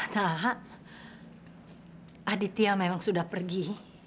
saat aditya memang sudah pergi